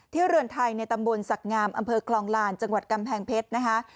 เรือนไทยในตำบลศักดิ์งามอำเภอคลองลานจังหวัดกำแพงเพชรนะคะ